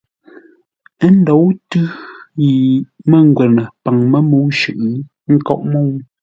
Ə́ ndǒu tʉ̌ yi mə́ngwə́nə paŋ mə́ mə́u shʉʼʉ ńkóʼ mə́u.